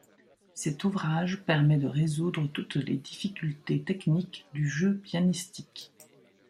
Cet ouvrage permet de résoudre toutes les difficultés techniques du jeu pianistique.